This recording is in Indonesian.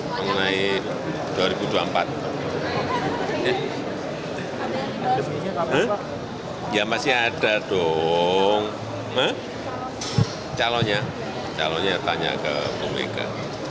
mengenai dua ribu dua puluh empat eh masih ada dong calonnya calonnya tanya ke bumega